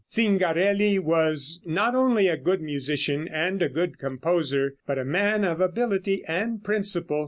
Zingarelli was not only a good musician and a good composer, but a man of ability and principle.